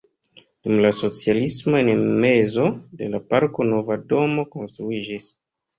Dum la socialismo en mezo de la parko nova domo konstruiĝis.